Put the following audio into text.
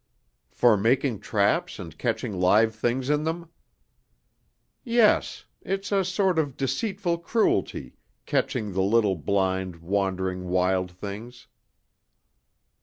"For making traps, and catching live things in them?" "Yes. It's a sort of deceitful cruelty, catching the little blind, wandering wild things."